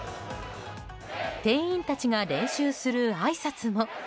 店員たちが練習するあいさつも。